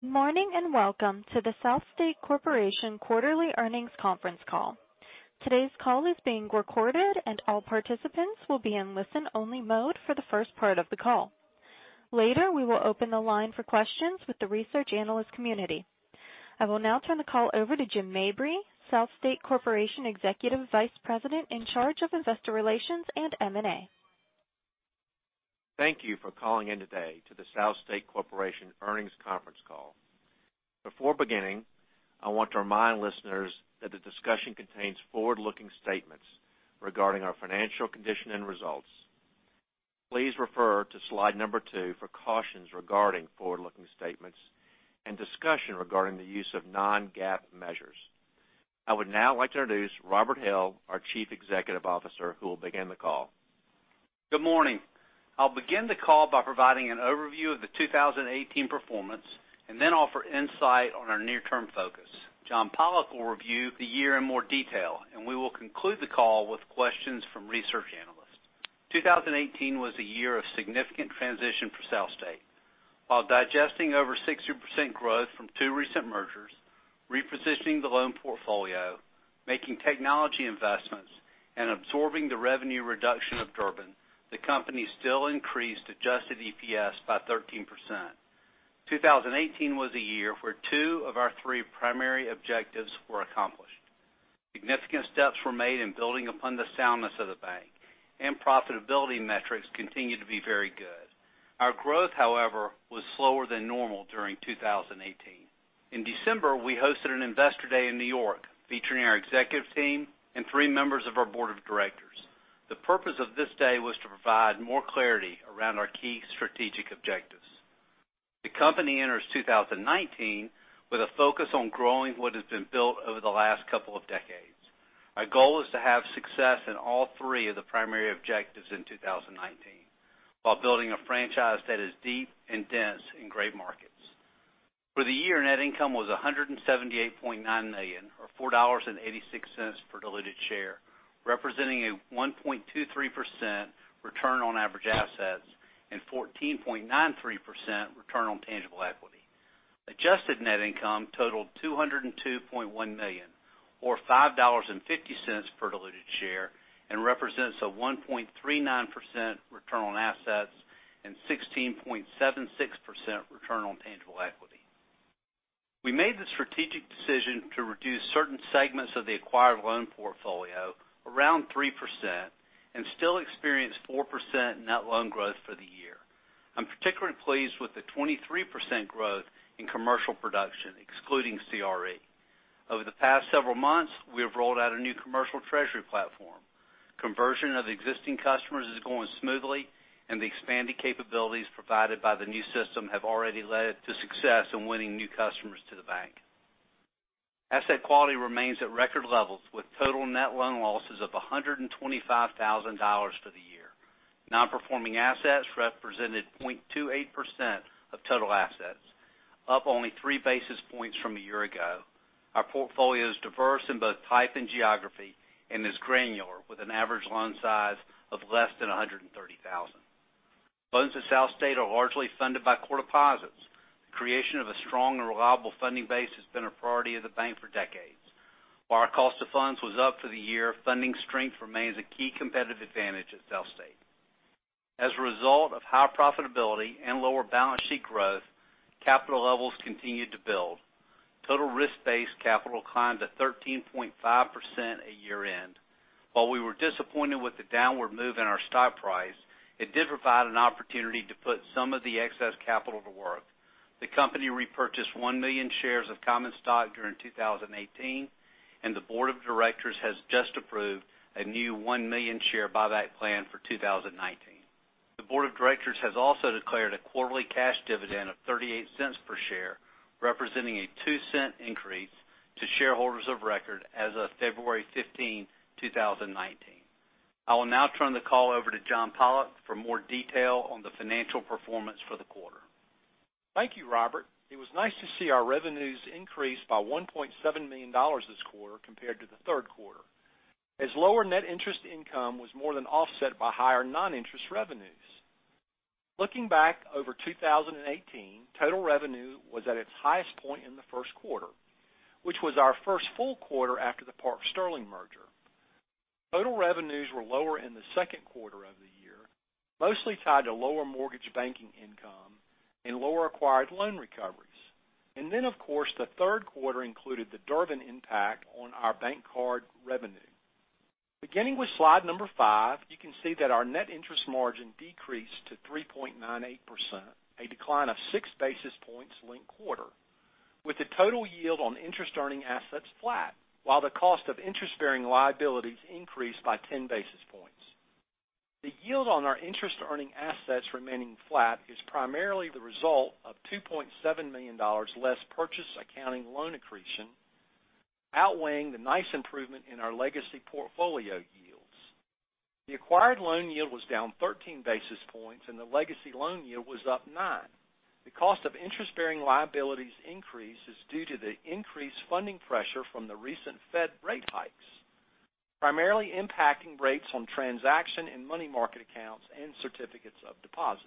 Good morning, and welcome to the SouthState Corporation quarterly earnings conference call. Today's call is being recorded, and all participants will be in listen-only mode for the first part of the call. Later, we will open the line for questions with the research analyst community. I will now turn the call over to Jim Mabry, SouthState Corporation Executive Vice President in charge of Investor Relations and M&A. Thank you for calling in today to the SouthState Corporation earnings conference call. Before beginning, I want to remind listeners that the discussion contains forward-looking statements regarding our financial condition and results. Please refer to slide number two for cautions regarding forward-looking statements and discussion regarding the use of non-GAAP measures. I would now like to introduce Robert Hill, our Chief Executive Officer, who will begin the call. Good morning. I'll begin the call by providing an overview of the 2018 performance and then offer insight on our near-term focus. John Pollok will review the year in more detail, and we will conclude the call with questions from research analysts. 2018 was a year of significant transition for SouthState. While digesting over 60% growth from two recent mergers, repositioning the loan portfolio, making technology investments, and absorbing the revenue reduction of Durbin, the company still increased adjusted EPS by 13%. 2018 was a year where two of our three primary objectives were accomplished. Significant steps were made in building upon the soundness of the bank, and profitability metrics continued to be very good. Our growth, however, was slower than normal during 2018. In December, we hosted an investor day in New York featuring our executive team and three members of our board of directors. The purpose of this day was to provide more clarity around our key strategic objectives. The company enters 2019 with a focus on growing what has been built over the last couple of decades. Our goal is to have success in all three of the primary objectives in 2019 while building a franchise that is deep and dense in great markets. For the year, net income was $178.9 million, or $4.86 per diluted share, representing a 1.23% return on average assets and 14.93% return on tangible equity. Adjusted net income totaled $202.1 million, or $5.50 per diluted share, and represents a 1.39% return on assets and 16.76% return on tangible equity. We made the strategic decision to reduce certain segments of the acquired loan portfolio around 3% and still experienced 4% net loan growth for the year. I'm particularly pleased with the 23% growth in commercial production, excluding CRE. Over the past several months, we have rolled out a new commercial treasury platform. Conversion of existing customers is going smoothly, and the expanded capabilities provided by the new system have already led to success in winning new customers to the bank. Asset quality remains at record levels, with total net loan losses of $125,000 for the year. Non-performing assets represented 0.28% of total assets, up only three basis points from a year ago. Our portfolio is diverse in both type and geography and is granular, with an average loan size of less than $130,000. Loans at SouthState are largely funded by core deposits. The creation of a strong and reliable funding base has been a priority of the bank for decades. While our cost of funds was up for the year, funding strength remains a key competitive advantage at SouthState. As a result of high profitability and lower balance sheet growth, capital levels continued to build. Total risk-based capital climbed to 13.5% at year-end. While we were disappointed with the downward move in our stock price, it did provide an opportunity to put some of the excess capital to work. The company repurchased 1 million shares of common stock during 2018, and the board of directors has just approved a new 1 million share buyback plan for 2019. The board of directors has also declared a quarterly cash dividend of $0.38 per share, representing a $0.02 increase to shareholders of record as of February 15, 2019. I will now turn the call over to John Pollok for more detail on the financial performance for the quarter. Thank you, Robert. It was nice to see our revenues increase by $1.7 million this quarter compared to the third quarter, as lower net interest income was more than offset by higher non-interest revenues. Looking back over 2018, total revenue was at its highest point in the first quarter, which was our first full quarter after the Park Sterling merger. Total revenues were lower in the second quarter of the year, mostly tied to lower mortgage banking income and lower acquired loan recoveries. Then, of course, the third quarter included the Durbin impact on our bank card revenue. Beginning with slide number five, you can see that our net interest margin decreased to 3.98%, a decline of six basis points linked quarter, with the total yield on interest-earning assets flat while the cost of interest-bearing liabilities increased by 10 basis points. The yield on our interest-earning assets remaining flat is primarily the result of $2.7 million less purchase accounting loan accretion outweighing the nice improvement in our legacy portfolio yields. The acquired loan yield was down 13 basis points, and the legacy loan yield was up nine. The cost of interest-bearing liabilities increase is due to the increased funding pressure from the recent Fed rate hikes. Primarily impacting rates on transaction and money market accounts and certificates of deposit.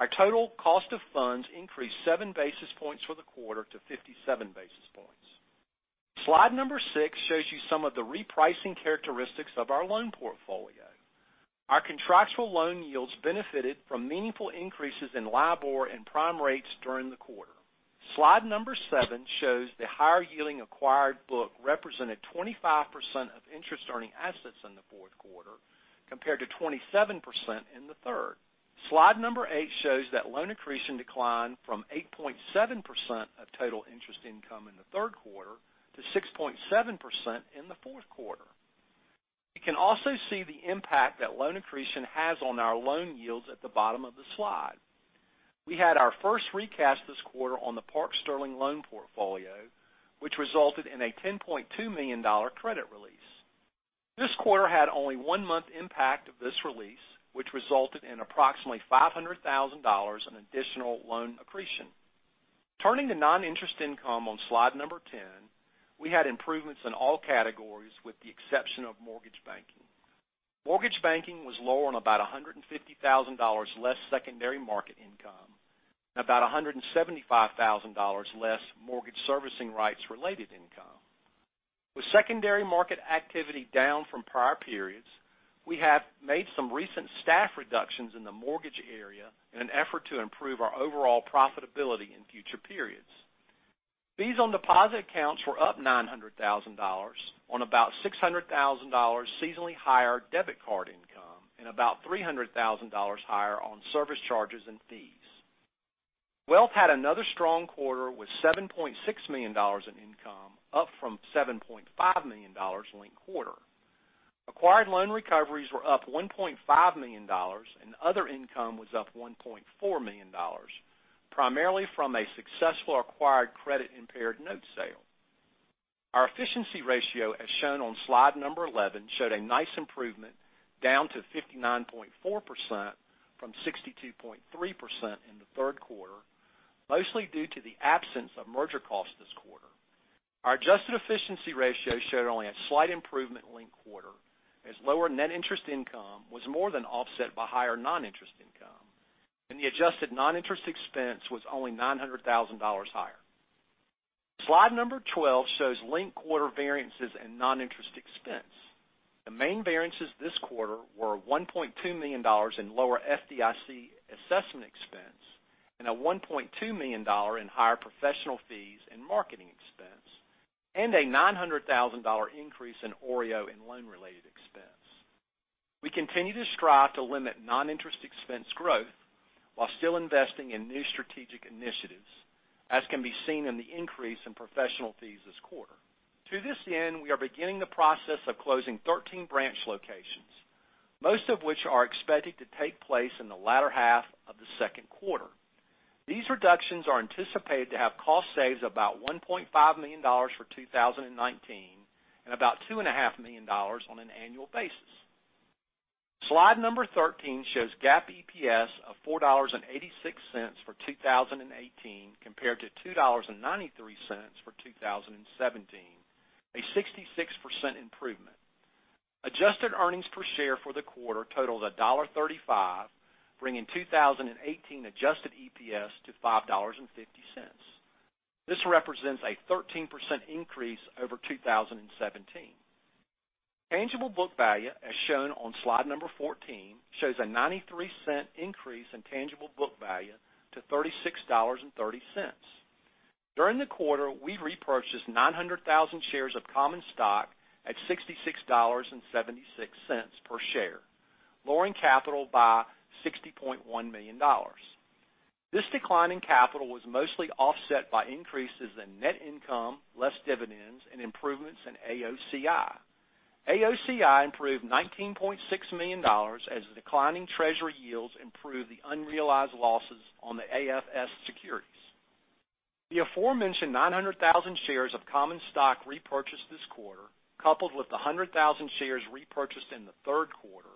Our total cost of funds increased seven basis points for the quarter to 57 basis points. Slide number six shows you some of the repricing characteristics of our loan portfolio. Our contractual loan yields benefited from meaningful increases in LIBOR and prime rates during the quarter. Slide number seven shows the higher yielding acquired book represented 25% of interest-earning assets in the fourth quarter, compared to 27% in the third. Slide number eight shows that loan accretion declined from 8.7% of total interest income in the third quarter to 6.7% in the fourth quarter. You can also see the impact that loan accretion has on our loan yields at the bottom of the slide. We had our first recast this quarter on the Park Sterling loan portfolio, which resulted in a $10.2 million credit release. This quarter had only one month impact of this release, which resulted in approximately $500,000 in additional loan accretion. Turning to non-interest income on slide number 10, we had improvements in all categories with the exception of mortgage banking. Mortgage banking was lower on about $150,000 less secondary market income and about $175,000 less mortgage servicing rights related income. With secondary market activity down from prior periods, we have made some recent staff reductions in the mortgage area in an effort to improve our overall profitability in future periods. Fees on deposit accounts were up $900,000 on about $600,000 seasonally higher debit card income and about $300,000 higher on service charges and fees. Wealth had another strong quarter with $7.6 million in income, up from $7.5 million linked quarter. Acquired loan recoveries were up $1.5 million, and other income was up $1.4 million, primarily from a successful acquired credit-impaired note sale. Our efficiency ratio, as shown on slide number 11, showed a nice improvement down to 59.4% from 62.3% in the third quarter, mostly due to the absence of merger costs this quarter. Our adjusted efficiency ratio showed only a slight improvement linked quarter as lower net interest income was more than offset by higher non-interest income. The adjusted non-interest expense was only $900,000 higher. Slide number 12 shows linked quarter variances in non-interest expense. The main variances this quarter were $1.2 million in lower FDIC assessment expense and a $1.2 million in higher professional fees and marketing expense, and a $900,000 increase in OREO and loan-related expense. We continue to strive to limit non-interest expense growth while still investing in new strategic initiatives, as can be seen in the increase in professional fees this quarter. To this end, we are beginning the process of closing 13 branch locations, most of which are expected to take place in the latter half of the second quarter. These reductions are anticipated to have cost saves of about $1.5 million for 2019 and about $2.5 million on an annual basis. Slide number 13 shows GAAP EPS of $4.86 for 2018 compared to $2.93 for 2017, a 66% improvement. Adjusted earnings per share for the quarter totaled $1.35, bringing 2018 adjusted EPS to $5.50. This represents a 13% increase over 2017. Tangible book value, as shown on slide number 14, shows a $0.93 increase in tangible book value to $36.30. During the quarter, we repurchased 900,000 shares of common stock at $66.76 per share, lowering capital by $60.1 million. This decline in capital was mostly offset by increases in net income less dividends and improvements in AOCI. AOCI improved $19.6 million as declining treasury yields improved the unrealized losses on the AFS securities. The aforementioned 900,000 shares of common stock repurchased this quarter, coupled with the 100,000 shares repurchased in the third quarter,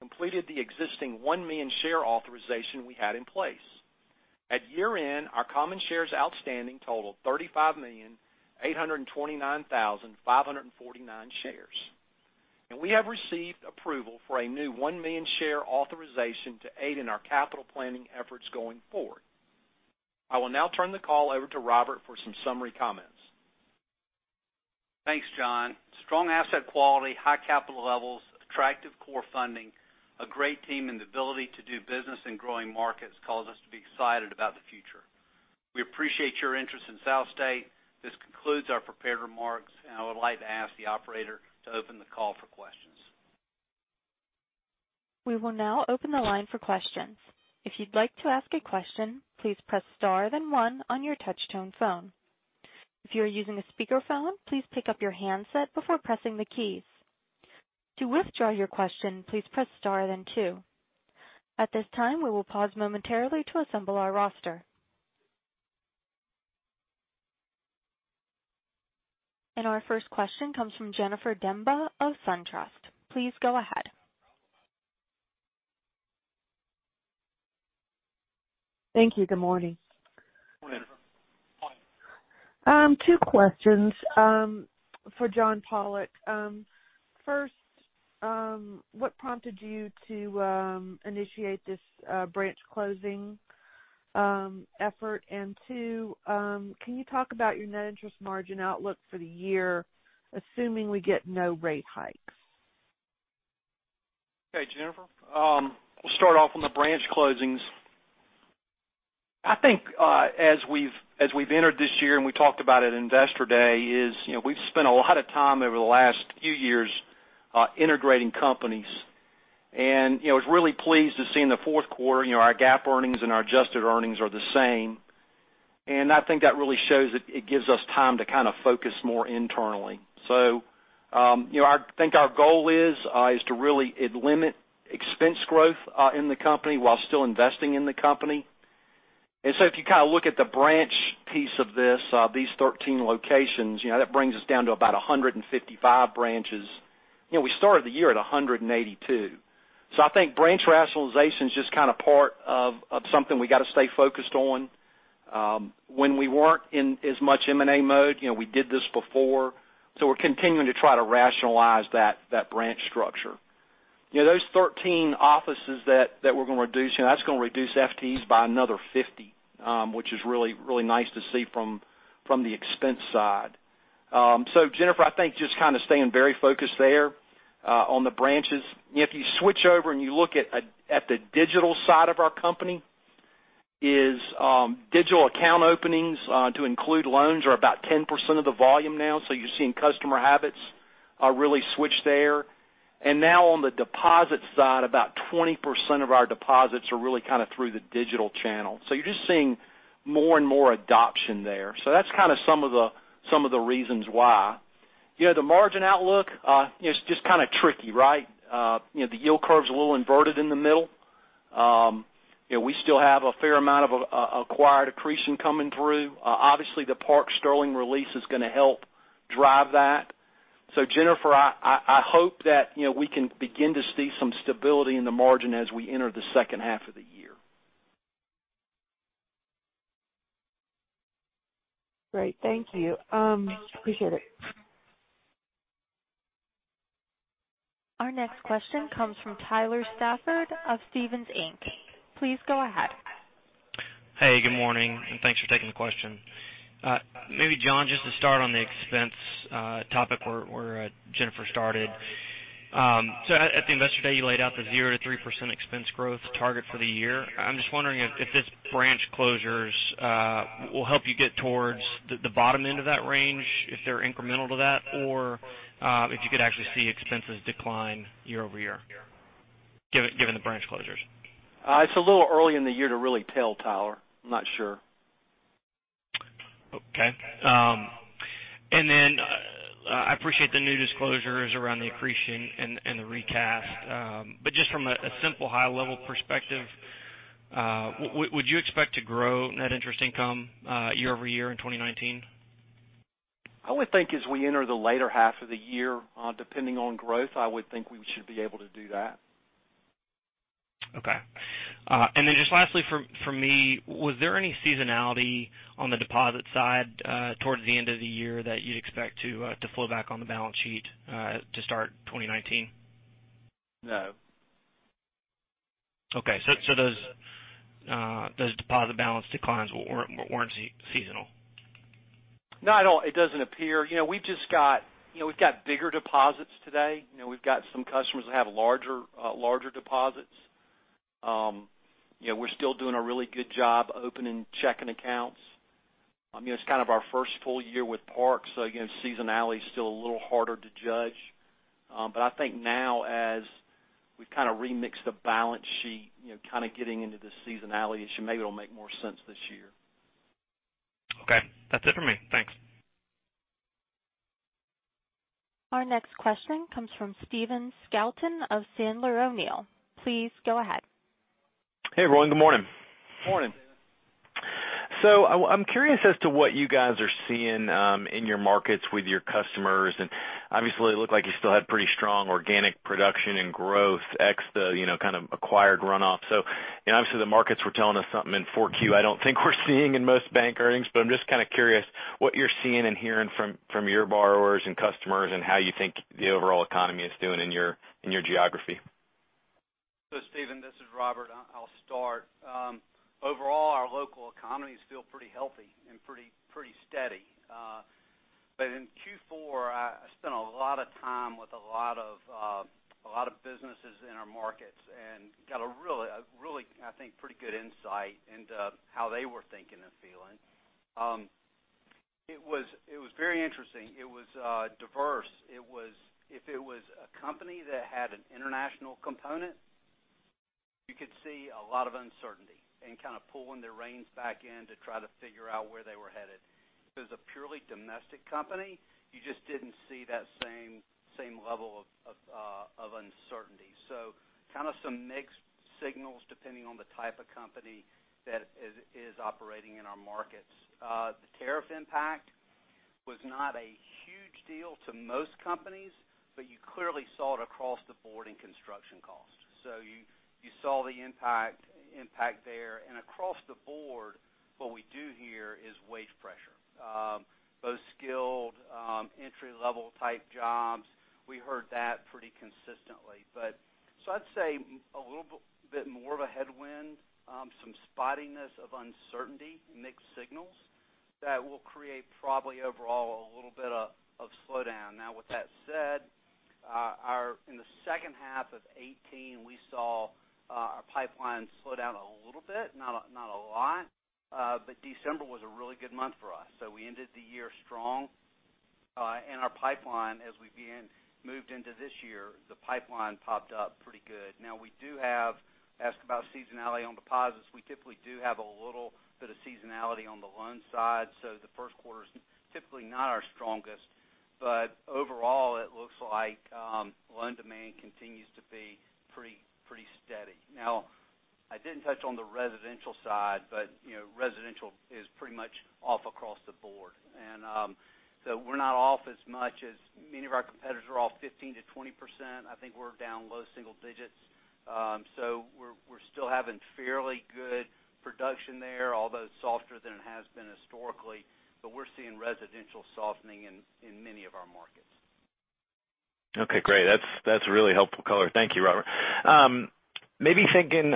completed the existing 1 million share authorization we had in place. At year-end, our common shares outstanding totaled 35,829,549 shares. We have received approval for a new 1 million share authorization to aid in our capital planning efforts going forward. I will now turn the call over to Robert for some summary comments. Thanks, John. Strong asset quality, high capital levels, attractive core funding, a great team, and the ability to do business in growing markets cause us to be excited about the future. We appreciate your interest in SouthState. This concludes our prepared remarks, and I would like to ask the operator to open the call for questions. We will now open the line for questions. If you'd like to ask a question, please press star then one on your touch-tone phone. If you are using a speakerphone, please pick up your handset before pressing the keys. To withdraw your question, please press star then two. At this time, we will pause momentarily to assemble our roster. Our first question comes from Jennifer Demba of SunTrust. Please go ahead. Thank you. Good morning. Morning. Morning. Two questions for John C. Pollok. First, what prompted you to initiate this branch closing effort? Two, can you talk about your net interest margin outlook for the year, assuming we get no rate hikes? Okay, Jennifer. We'll start off on the branch closings. I think as we've entered this year, we talked about it at Investor Day, is we've spent a lot of time over the last few years integrating companies. I was really pleased to see in the fourth quarter, our GAAP earnings and our adjusted earnings are the same. I think that really shows it gives us time to focus more internally. I think our goal is to really limit expense growth in the company while still investing in the company. If you look at the branch piece of this, these 13 locations, that brings us down to about 155 branches. We started the year at 182. I think branch rationalization is just part of something we got to stay focused on. When we weren't in as much M&A mode, we did this before. We're continuing to try to rationalize that branch structure. Those 13 offices that we're going to reduce, that's going to reduce FTEs by another 50, which is really nice to see from the expense side. Jennifer, I think just staying very focused there on the branches. If you switch over and you look at the digital side of our company, is digital account openings to include loans are about 10% of the volume now. You're seeing customer habits are really switched there. Now on the deposit side, about 20% of our deposits are really through the digital channel. You're just seeing more and more adoption there. That's some of the reasons why. The margin outlook, it's just kind of tricky, right? The yield curve's a little inverted in the middle. We still have a fair amount of acquired accretion coming through. Obviously, the Park Sterling release is going to help drive that. Jennifer, I hope that we can begin to see some stability in the margin as we enter the second half of the year. Great, thank you. Appreciate it. Our next question comes from Tyler Stafford of Stephens Inc. Please go ahead. Hey, good morning, and thanks for taking the question. Maybe John, just to start on the expense topic where Jennifer started. At the Investor Day, you laid out the 0%-3% expense growth target for the year. I'm just wondering if this branch closures will help you get towards the bottom end of that range, if they're incremental to that, or if you could actually see expenses decline year-over-year, given the branch closures. It's a little early in the year to really tell, Tyler. I'm not sure. Okay. I appreciate the new disclosures around the accretion and the recast. Just from a simple high-level perspective, would you expect to grow net interest income year-over-year in 2019? I would think as we enter the latter half of the year, depending on growth, I would think we should be able to do that. Okay. Just lastly from me, was there any seasonality on the deposit side towards the end of the year that you'd expect to flow back on the balance sheet to start 2019? No. Okay. Those deposit balance declines weren't seasonal? No, it doesn't appear. We've got bigger deposits today. We've got some customers that have larger deposits. We're still doing a really good job opening checking accounts. It's kind of our first full year with Park, again, seasonality is still a little harder to judge. I think now as we've kind of remixed the balance sheet, kind of getting into the seasonality issue, maybe it'll make more sense this year. Okay. That's it for me. Thanks. Our next question comes from Stephen Scouten of Sandler O'Neill. Please go ahead. Hey, everyone. Good morning. Morning. I'm curious as to what you guys are seeing in your markets with your customers. Obviously, it looked like you still had pretty strong organic production and growth ex the kind of acquired runoff. Obviously, the markets were telling us something in 4Q I don't think we're seeing in most bank earnings, but I'm just kind of curious what you're seeing and hearing from your borrowers and customers and how you think the overall economy is doing in your geography. Stephen, this is Robert. I'll start. Overall, our local economy is still pretty healthy and pretty steady. In Q4, I spent a lot of time with a lot of businesses in our markets and got a really, I think, pretty good insight into how they were thinking and feeling. It was very interesting. It was diverse. If it was a company that had an international component, you could see a lot of uncertainty and kind of pulling the reins back in to try to figure out where they were headed. If it was a purely domestic company, you just didn't see that same level of uncertainty. Kind of some mixed signals depending on the type of company that is operating in our markets. The tariff impact was not a huge deal to most companies, you clearly saw it across the board in construction costs. You saw the impact there. Across the board, what we do hear is wage pressure. Both skilled, entry-level type jobs, we heard that pretty consistently. I'd say a little bit more of a headwind, some spottiness of uncertainty, mixed signals, that will create probably overall a little bit of slowdown. With that said, in the second half of 2018, we saw our pipeline slow down a little bit, not a lot. December was a really good month for us. We ended the year strong. Our pipeline, as we moved into this year, the pipeline popped up pretty good. asked about seasonality on deposits. We typically do have a little bit of seasonality on the loan side, the first quarter's typically not our strongest. Overall, it looks like loan demand continues to be pretty steady. I didn't touch on the residential side, residential is pretty much off across the board. We're not off as much as many of our competitors are off 15%-20%. I think we're down low single digits. We're still having fairly good production there, although softer than it has been historically. We're seeing residential softening in many of our markets. Okay, great. That's really helpful color. Thank you, Robert. Thinking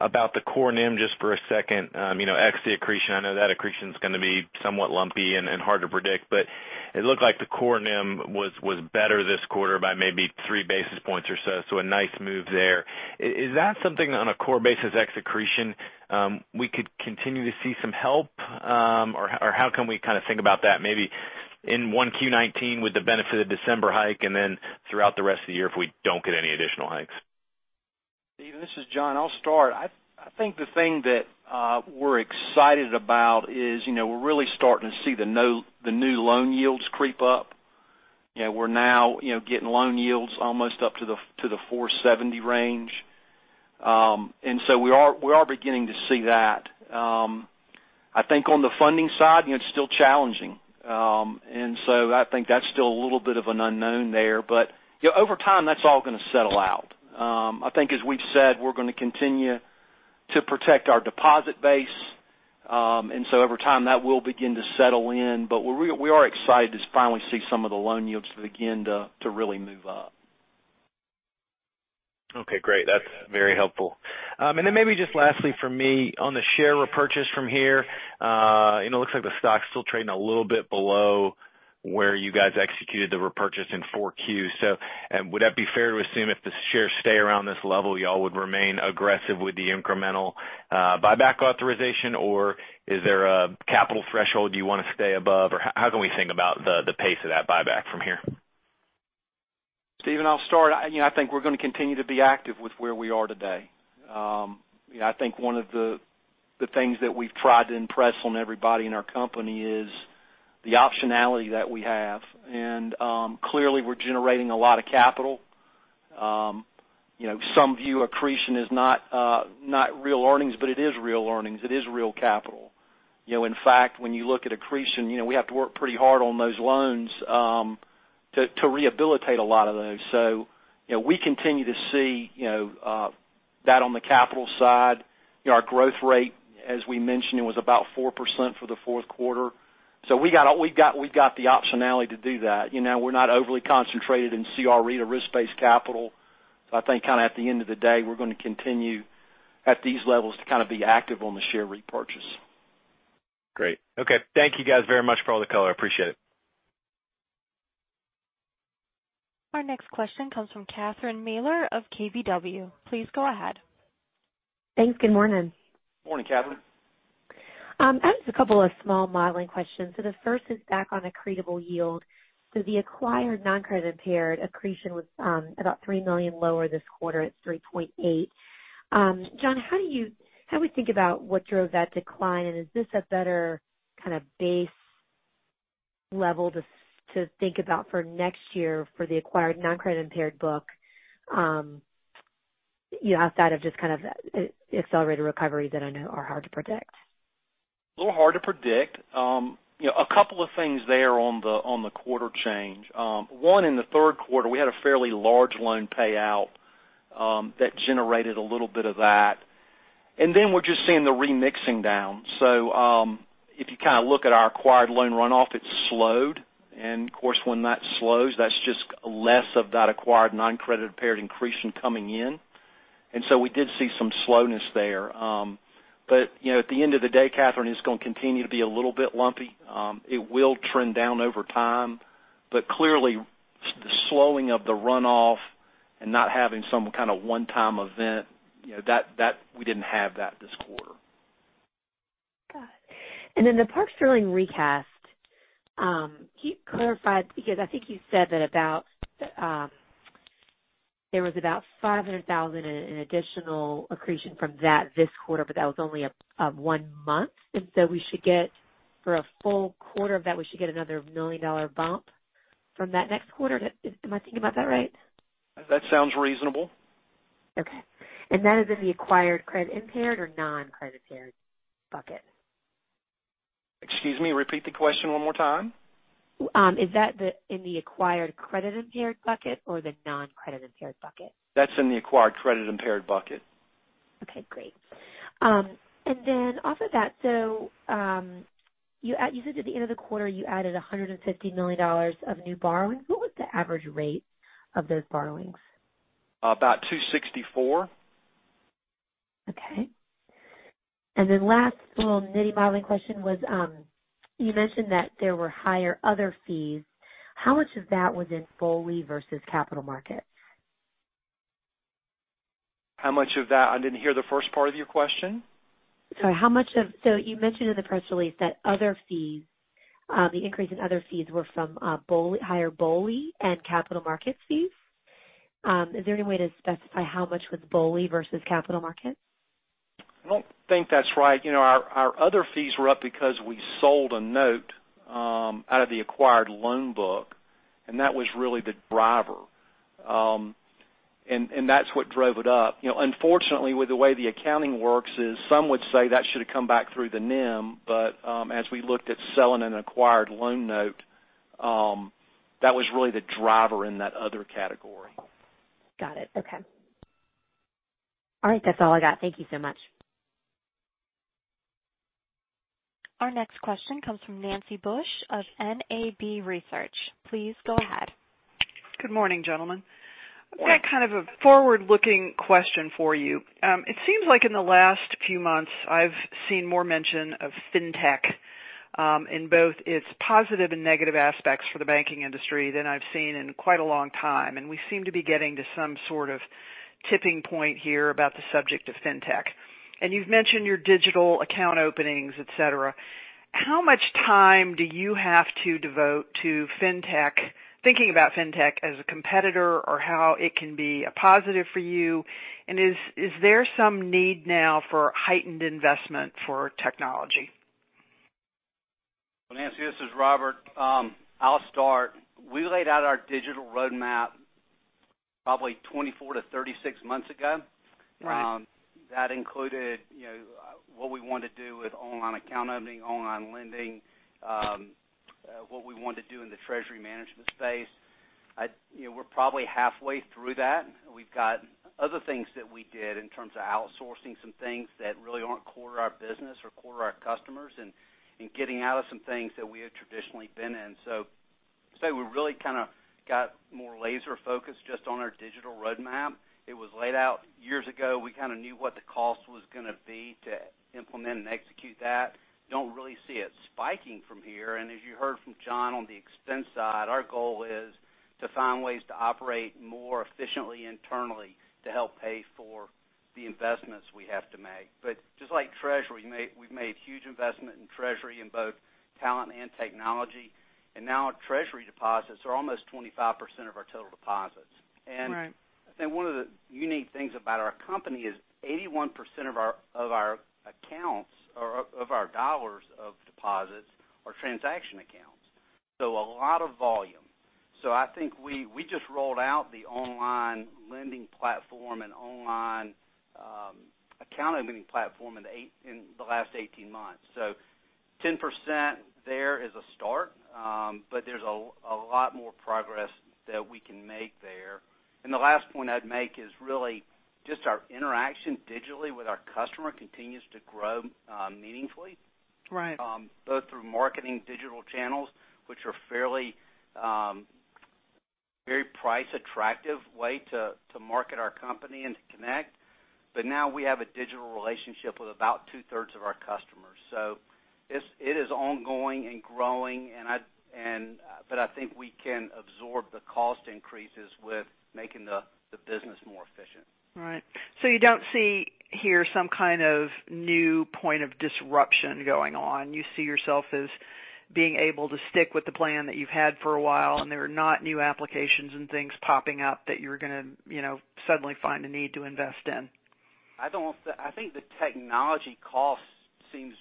about the core NIM just for a second, ex the accretion. I know that accretion's going to be somewhat lumpy and hard to predict, but it looked like the core NIM was better this quarter by maybe three basis points or so. A nice move there. Is that something on a core basis, ex accretion, we could continue to see some help? Or how can we kind of think about that maybe in one Q19 with the benefit of December hike and then throughout the rest of the year if we don't get any additional hikes? Stephen, this is John. I'll start. I think the thing that we're excited about is we're really starting to see the new loan yields creep up. We're now getting loan yields almost up to the 470 range. We are beginning to see that. I think on the funding side, it's still challenging. I think that's still a little bit of an unknown there. Over time, that's all going to settle out. I think as we've said, we're going to continue to protect our deposit base. Over time, that will begin to settle in. We are excited to finally see some of the loan yields begin to really move up. Okay, great. That's very helpful. Then maybe just lastly from me, on the share repurchase from here, it looks like the stock's still trading a little bit below where you guys executed the repurchase in 4Q. Would that be fair to assume if the shares stay around this level, you all would remain aggressive with the incremental buyback authorization? Is there a capital threshold you want to stay above? How can we kind of think about the pace of that buyback from here? Stephen, I'll start. I think we're going to continue to be active with where we are today. I think one of the things that we've tried to impress on everybody in our company is the optionality that we have. Clearly, we're generating a lot of capital. Some view accretion as not real earnings, but it is real earnings. It is real capital. In fact, when you look at accretion, we have to work pretty hard on those loans to rehabilitate a lot of those. We continue to see that on the capital side. Our growth rate, as we mentioned, was about 4% for the fourth quarter. We got the optionality to do that. We're not overly concentrated in CRE to risk-based capital. I think kind of at the end of the day, we're going to continue at these levels to kind of be active on the share repurchase. Great. Okay. Thank you guys very much for all the color. Appreciate it. Our next question comes from Catherine Mealor of KBW. Please go ahead. Thanks. Good morning. Morning, Catherine. I just have a couple of small modeling questions. The first is back on accretable yield. The acquired noncredit impaired accretion was about $3 million lower this quarter at $3.8 million. John, how do we think about what drove that decline? Is this a better kind of base level to think about for next year for the acquired noncredit impaired book, outside of just kind of accelerated recoveries that I know are hard to predict? A little hard to predict. A couple of things there on the quarter change. One, in the third quarter, we had a fairly large loan payout that generated a little bit of that. Then we're just seeing the remixing down. If you kind of look at our acquired loan runoff, it's slowed. Of course, when that slows, that's just less of that acquired noncredit impaired accretion coming in. We did see some slowness there. At the end of the day, Catherine, it's going to continue to be a little bit lumpy. It will trend down over time, but clearly, the slowing of the runoff and not having some kind of one-time event, we didn't have that this quarter. Got it. Then the Park Sterling recast. Can you clarify, because I think you said that there was about $500,000 in additional accretion from that this quarter, but that was only of one month. For a full quarter of that, we should get another $1 million bump from that next quarter. Am I thinking about that right? That sounds reasonable. Okay. That is in the acquired credit impaired or non-credit impaired bucket? Excuse me, repeat the question one more time. Is that in the acquired credit impaired bucket or the non-credit impaired bucket? That's in the acquired credit impaired bucket. Okay, great. Off of that, you said at the end of the quarter you added $150 million of new borrowings. What was the average rate of those borrowings? About 264. Okay. Last little nitty-bitty question was, you mentioned that there were higher other fees. How much of that was in BOLI versus capital markets? How much of that? I didn't hear the first part of your question. Sorry. You mentioned in the press release that the increase in other fees were from higher BOLI and capital market fees. Is there any way to specify how much was BOLI versus capital markets? I don't think that's right. Our other fees were up because we sold a note out of the acquired loan book, and that was really the driver. That's what drove it up. Unfortunately, with the way the accounting works is some would say that should have come back through the NIM, but as we looked at selling an acquired loan note, that was really the driver in that other category. Got it. Okay. All right. That's all I got. Thank you so much. Our next question comes from Nancy Bush of NAB Research. Please go ahead. Good morning, gentlemen. Morning. I've got kind of a forward-looking question for you. It seems like in the last few months I've seen more mention of fintech, in both its positive and negative aspects for the banking industry than I've seen in quite a long time. We seem to be getting to some sort of tipping point here about the subject of fintech. You've mentioned your digital account openings, et cetera. How much time do you have to devote to fintech, thinking about fintech as a competitor or how it can be a positive for you? Is there some need now for heightened investment for technology? Well, Nancy, this is Robert. I'll start. We laid out our digital roadmap probably 24 to 36 months ago. Right. That included what we want to do with online account opening, online lending, what we want to do in the treasury management space. We're probably halfway through that. We've got other things that we did in terms of outsourcing some things that really aren't core to our business or core to our customers and getting out of some things that we had traditionally been in. I'd say we really kind of got more laser focused just on our digital roadmap. It was laid out years ago. We kind of knew what the cost was going to be to implement and execute that. Don't really see it spiking from here. As you heard from John on the expense side, our goal is to find ways to operate more efficiently internally to help pay for the investments we have to make. Just like treasury, we've made huge investment in treasury in both talent and technology, and now our treasury deposits are almost 25% of our total deposits. Right. I think one of the unique things about our company is 81% of our dollars of deposits are transaction accounts. A lot of volume. I think we just rolled out the online lending platform and online account opening platform in the last 18 months. 10% there is a start, but there's a lot more progress that we can make there. The last point I'd make is really just our interaction digitally with our customer continues to grow meaningfully. Right. Both through marketing digital channels, which are fairly price attractive way to market our company and to connect. Now we have a digital relationship with about two-thirds of our customers. It is ongoing and growing but I think we can absorb the cost increases with making the business more efficient. Right. You don't see here some kind of new point of disruption going on. You see yourself as being able to stick with the plan that you've had for a while, and there are not new applications and things popping up that you're going to suddenly find a need to invest in. I think the technology cost seems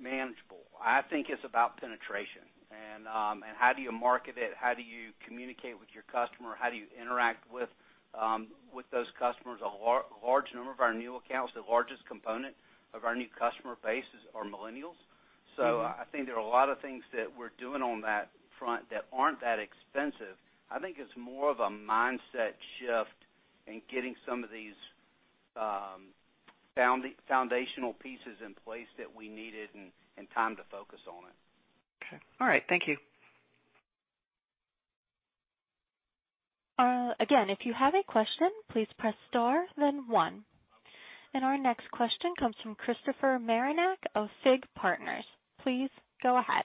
manageable. I think it's about penetration and how do you market it, how do you communicate with your customer, how do you interact with those customers. A large number of our new accounts, the largest component of our new customer base are millennials. I think there are a lot of things that we're doing on that front that aren't that expensive. I think it's more of a mindset shift in getting some of these foundational pieces in place that we needed and time to focus on it. Okay. All right. Thank you. Again, if you have a question, please press star then one. Our next question comes from Christopher Marinac of FIG Partners. Please go ahead.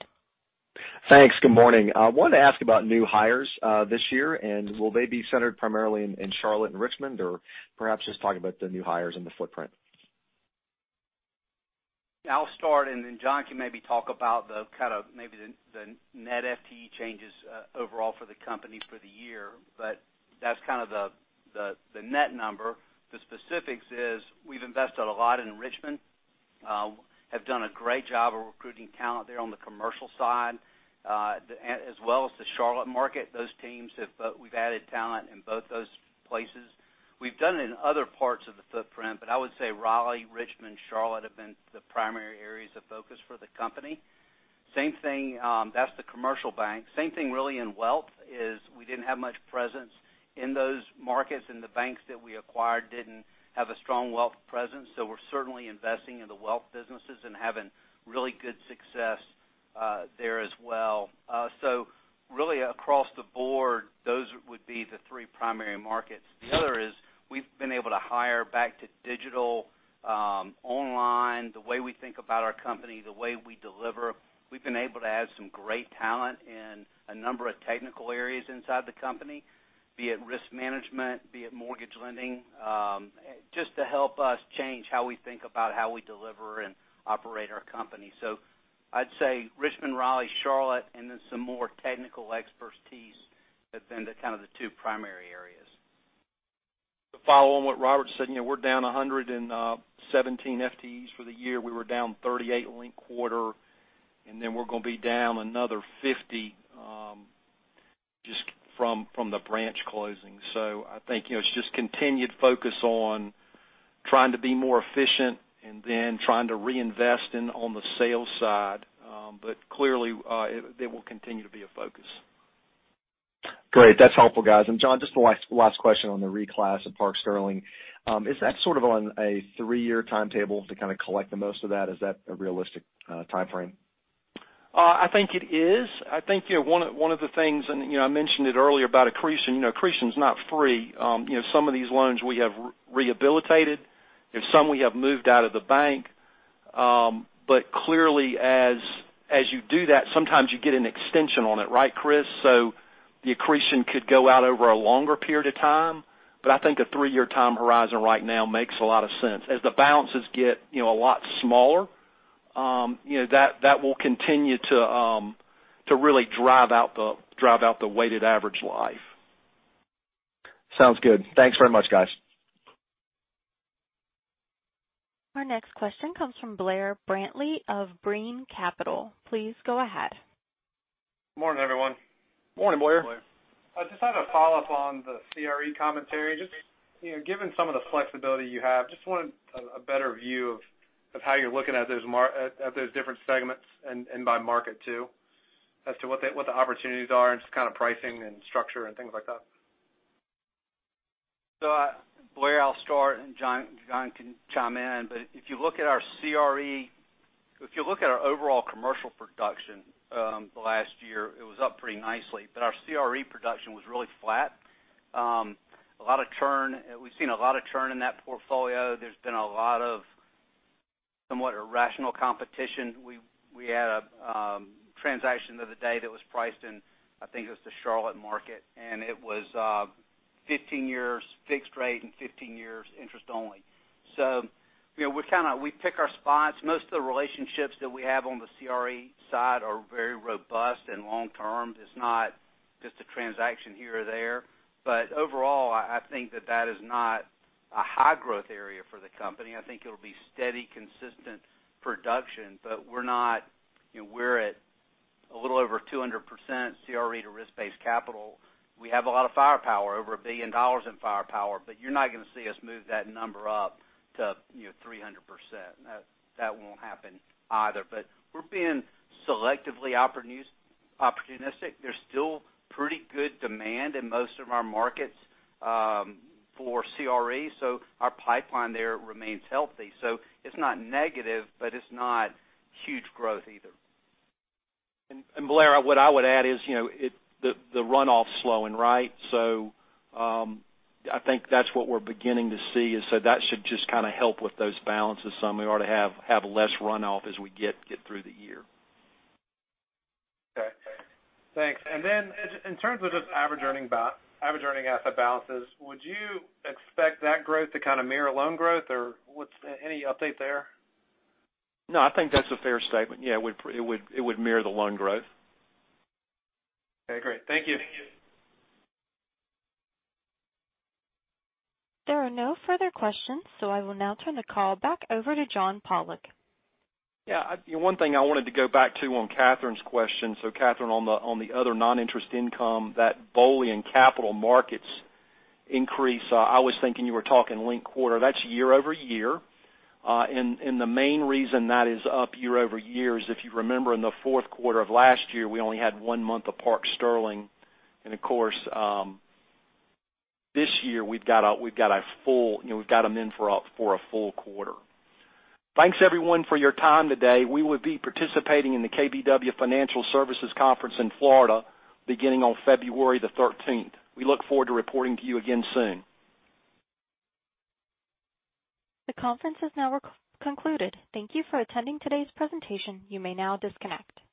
Thanks. Good morning. I wanted to ask about new hires this year. Will they be centered primarily in Charlotte and Richmond, or perhaps just talk about the new hires and the footprint. I'll start. Then John can maybe talk about the kind of maybe the net FTEs changes overall for the company for the year, but that's kind of the net number. The specifics is we've invested a lot in Richmond. We've done a great job of recruiting talent there on the commercial side, as well as the Charlotte market. Those teams, we've added talent in both those places. We've done it in other parts of the footprint, but I would say Raleigh, Richmond, Charlotte have been the primary areas of focus for the company. That's the commercial bank. Same thing really in wealth is we didn't have much presence in those markets, and the banks that we acquired didn't have a strong wealth presence. We're certainly investing in the wealth businesses and having really good success there as well. Really across the board, those would be the three primary markets. The other is we've been able to hire back to digital, online, the way we think about our company, the way we deliver. We've been able to add some great talent in a number of technical areas inside the company, be it risk management, be it mortgage lending, just to help us change how we think about how we deliver and operate our company. I'd say Richmond, Raleigh, Charlotte, and then some more technical expertise have been the two primary areas. To follow on what Robert said, we're down 117 FTEs for the year. We were down 38 linked quarter. Then we're going to be down another 50 just from the branch closing. I think it's just continued focus on trying to be more efficient and then trying to reinvest in on the sales side. Clearly, it will continue to be a focus. Great. That's helpful, guys. John, just the last question on the reclass of Park Sterling. Is that sort of on a three-year timetable to kind of collect the most of that? Is that a realistic timeframe? I think it is. I think one of the things, I mentioned it earlier about accretion's not free. Some of these loans we have rehabilitated, some we have moved out of the bank. Clearly, as you do that, sometimes you get an extension on it. Right, Chris? The accretion could go out over a longer period of time. I think a three-year time horizon right now makes a lot of sense. As the balances get a lot smaller, that will continue to really drive out the weighted average life. Sounds good. Thanks very much, guys. Our next question comes from Blair Brantley of Brean Capital. Please go ahead. Morning, everyone. Morning, Blair. I just have a follow-up on the CRE commentary. Just given some of the flexibility you have, just want a better view of how you're looking at those different segments and by market too. As to what the opportunities are and just kind of pricing and structure and things like that. Blair, I'll start and John can chime in. If you look at our overall commercial production, the last year it was up pretty nicely, but our CRE production was really flat. We've seen a lot of churn in that portfolio. There's been a lot of somewhat irrational competition. We had a transaction the other day that was priced in, I think it was the Charlotte market, and it was 15 years fixed rate and 15 years interest only. We pick our spots. Most of the relationships that we have on the CRE side are very robust and long-term. It's not just a transaction here or there. Overall, I think that that is not a high-growth area for the company. I think it'll be steady, consistent production, but we're at a little over 200% CRE to risk-based capital. We have a lot of firepower, over $1 billion in firepower. You're not going to see us move that number up to 300%. That won't happen either. We're being selectively opportunistic. There's still pretty good demand in most of our markets for CRE. Our pipeline there remains healthy. It's not negative, but it's not huge growth either. Blair, what I would add is the runoff's slowing, right? I think that's what we're beginning to see is that should just kind of help with those balances some. We ought to have less runoff as we get through the year. Okay. Thanks. Then in terms of just average earning asset balances, would you expect that growth to kind of mirror loan growth, or any update there? No, I think that's a fair statement. Yeah, it would mirror the loan growth. Okay, great. Thank you. There are no further questions. I will now turn the call back over to John Pollok. One thing I wanted to go back to on Catherine's question. Catherine, on the other non-interest income, that BOLI and Capital Markets increase, I was thinking you were talking linked quarter. That's year-over-year. The main reason that is up year-over-year is if you remember in the fourth quarter of last year, we only had one month of Park Sterling. Of course, this year we've got them in for a full quarter. Thanks everyone for your time today. We will be participating in the KBW Financial Services Conference in Florida, beginning on February the 13th. We look forward to reporting to you again soon. The conference is now concluded. Thank you for attending today's presentation. You may now disconnect.